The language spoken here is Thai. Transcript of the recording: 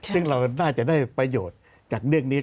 ซึ่งเราน่าจะได้ประโยชน์จากเรื่องนี้